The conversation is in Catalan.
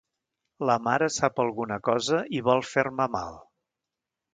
La mare sap alguna cosa i vol fer-me mal.